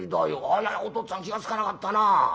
あらおとっつぁん気が付かなかったな。